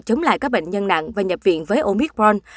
chống lại các bệnh nhân nặng và nhập viện với omicron